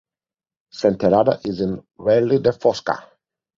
Senterada is in Valle de Fosca.